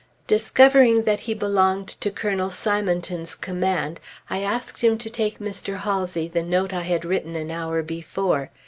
Discovering that he belonged to Colonel Simonton's command, I asked him to take Mr. Halsey the note I had written an hour before.